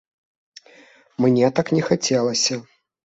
Мне так не хацелася!